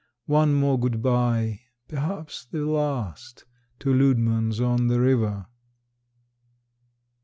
One more good bye perhaps the last To Leudemann's on the River.